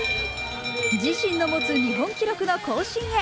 自身の持つ日本記録の更新へ。